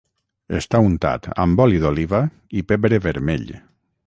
està untat amb oli d'oliva i pebre vermell